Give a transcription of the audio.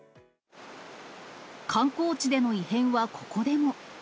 観光地での異変はここでも。